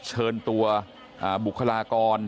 เชิญตัวบุคลากร